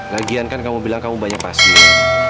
lagian kan kamu bilang kamu banyak pasien